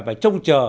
và trông chờ